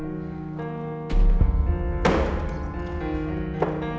aku mau ke rumah